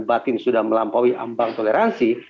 batin sudah melampaui ambang toleransi